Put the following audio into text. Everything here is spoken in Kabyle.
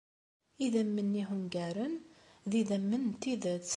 Idammen ihungaren d idammen n tidet.